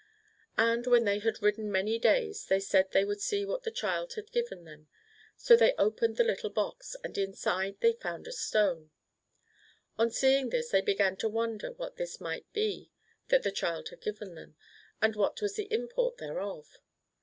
And when they had ridden many days they said they would see what the Child had given them. So they opened the little box, and inside it they found a stone. 8o MARCO POLO Book I. On seeing this they began to wonder what this might be that the Child had given them, and w^hat was the import thereof.